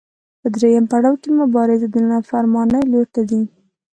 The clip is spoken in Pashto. په درېیم پړاو کې مبارزه د نافرمانۍ لور ته ځي.